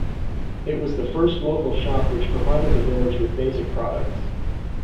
It was the first local shop which provided the village with basic products.